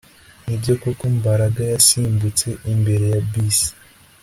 Nibyo koko Mbaraga yasimbutse imbere ya bisi